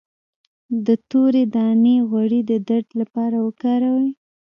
د تورې دانې غوړي د درد لپاره وکاروئ